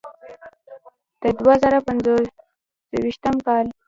د دوه زره پنځويشتم کال